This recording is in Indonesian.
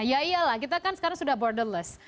ya iyalah kita kan sekarang sudah borderless